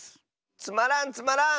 つまらんつまらん！